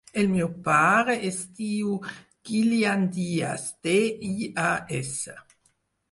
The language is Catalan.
El meu pare es diu Kylian Dias: de, i, a, essa.